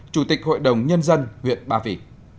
chủ tịch hội đồng nhân dân huyện ba vị